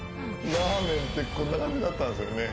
ラーメンってこんな感じだったんですよね。